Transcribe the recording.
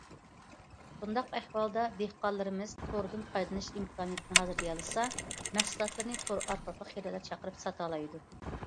بۇنداق ئەھۋالدا دېھقانلىرىمىز توردىن پايدىلىنىش ئىمكانىيىتىنى ھازىرلىيالىسا، مەھسۇلاتلىرىنى تور ئارقىلىقلا خېرىدار چاقىرىپ ساتالايدۇ.